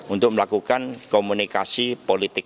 untuk melakukan komunikasi politik